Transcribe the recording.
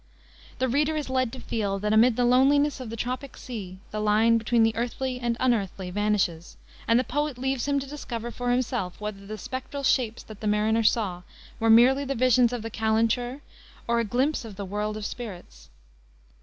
The reader is led to feel that amid the loneliness of the tropic sea, the line between the earthly and the unearthly vanishes, and the poet leaves him to discover for himself whether the spectral shapes that the mariner saw were merely the visions of the calenture, or a glimpse of the world of spirits.